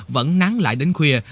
vẫn nắng lại đến khuya